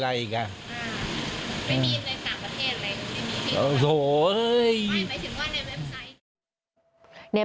หมายถึงว่าในเว็บไซต์